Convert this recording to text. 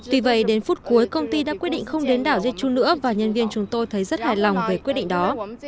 tuy vậy đến phút cuối công ty đã quyết định không đến đảo duy chu nữa và nhân viên chúng tôi thấy rất hài lòng về quyết định đó